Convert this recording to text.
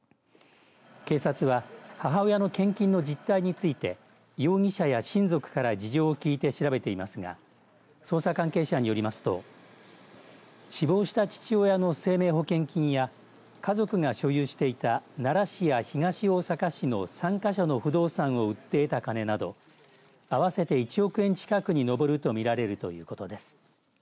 警察は母親の献金の実態について容疑者や親族から事情を聴いて調べていますが捜査関係者によりますと死亡した父親の生命保険金や家族が所有していた奈良市や東大阪市の３か所の不動産を売って得た金など合わせて１億円近くに上ると見られるということです。